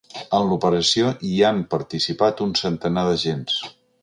En l’operació hi han participat un centenar d’agents.